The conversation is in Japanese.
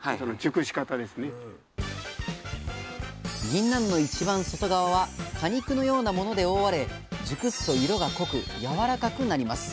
ぎんなんの一番外側は果肉のようなもので覆われ熟すと色が濃くやわらかくなります。